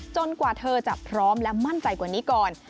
กว่าเธอจะพร้อมและมั่นใจกว่านี้ก่อน